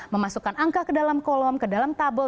memasukkan angka ke dalam kolom ke dalam tabel